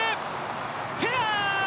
フェア！